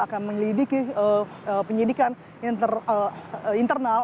akan menyelidiki penyidikan internal